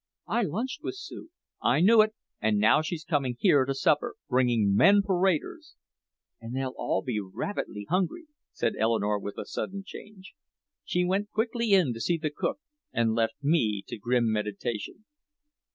"I lunched with Sue " "I knew it! And now she's coming here to supper bringing men paraders!" "And they'll all be rabidly hungry," said Eleanore with a sudden change. She went quickly in to see the cook and left me to grim meditation.